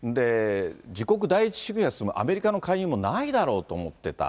自国第一主義が進むアメリカの介入もないだろうと思ってた。